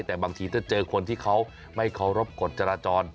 แต่บางทีถ้าเจอคนที่เขาไม่เคารพกฎจราจร